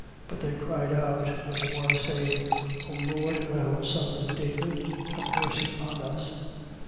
But they cried out the more, saying: O Lord, thou son of David, have mercy on us.